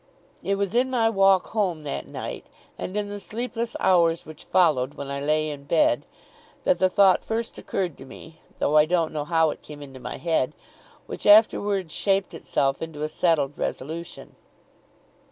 It was in my walk home that night, and in the sleepless hours which followed when I lay in bed, that the thought first occurred to me though I don't know how it came into my head which afterwards shaped itself into a settled resolution.